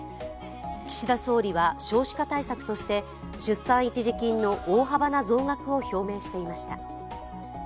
岸田総理は少子化対策として出産一時金の大幅な増額を表明していました。